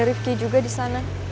ada rifki juga disana